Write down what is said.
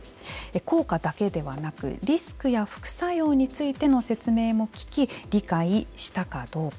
効果だけではなくリスクや副作用についての説明も聞き、理解したかどうか。